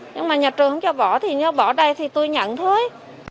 nhưng mà nhà trường không cho bỏ thì nếu bỏ đây thì tôi nhẵn thôi